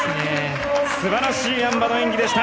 すばらしいあん馬の演技でした。